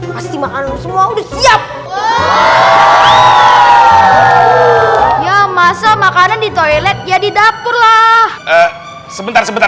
pasti makan semua udah siap ya masa makanan di toilet jadi dapur lah sebentar sebentar